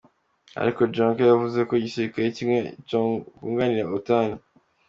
Ariko Junker yavuze ko igisirikare kimwe “cokunganira Otan”.